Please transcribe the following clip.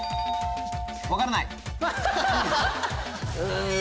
分からない！